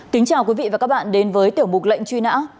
kính chào quý vị và các bạn đến với tiểu mục lệnh truy nã